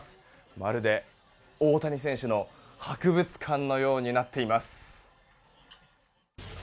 まるで、大谷選手の博物館のようになっています。